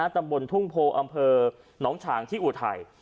ตำบลทุ่งโพอำเภอหนองฉางที่อุทัย